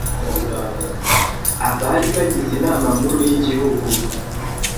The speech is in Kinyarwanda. abari bagize inama nkuru y' igihugu